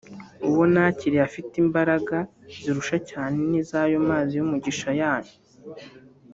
uwo nakiriye afite imbaraga zirusha cyane iz’ayo mazi y’umugisha yanyu